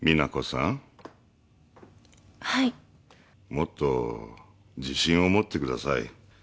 もっと自信を持ってください。